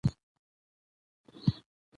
افغانستان د رسوب په برخه کې نړیوال شهرت لري.